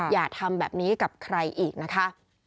อย่าทำแบบนี้กับใครอีกนะคะ